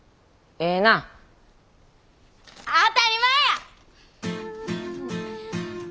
当たり前や！